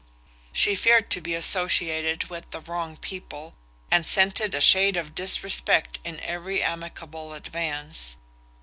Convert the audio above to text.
She feared to be associated with "the wrong people," and scented a shade of disrespect in every amicable advance.